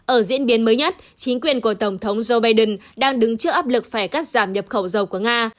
ở diễn biến mới nhất chính quyền của tổng thống joe biden đang đứng trước áp lực phải cắt giảm nhập khẩu dầu của nga